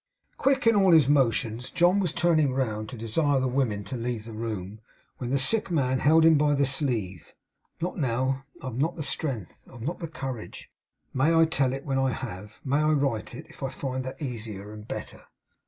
Quick in all his motions, John was turning round to desire the women to leave the room; when the sick man held him by the sleeve. 'Not now. I've not the strength. I've not the courage. May I tell it when I have? May I write it, if I find that easier and better?